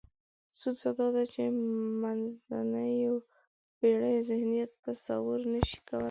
ستونزه دا ده چې منځنیو پېړیو ذهنیت تصور نشي کولای.